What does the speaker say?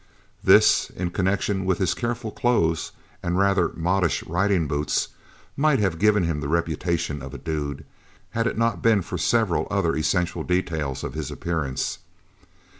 This, in connection with his careful clothes and rather modish riding boots, might have given him the reputation of a dude, had it not been for several other essential details of his appearance.